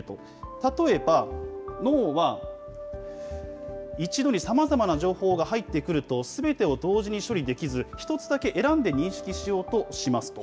例えば、脳は一度にさまざまな情報が入ってくると、すべてを同時に処理できず、一つだけ選んで認識しようとしますと。